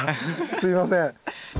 すいません。